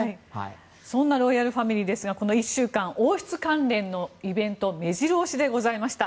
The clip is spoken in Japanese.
そんなロイヤルファミリーですがこの１週間王室関連のイベントが目白押しでございました。